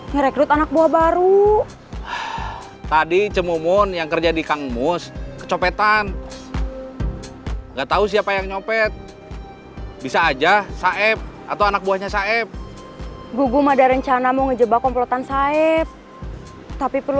merekrut anak buah baru